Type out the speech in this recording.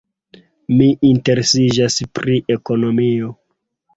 Mi interesiĝas pri ekonomio.